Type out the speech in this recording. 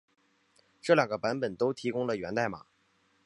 这两个版本都提供了源代码。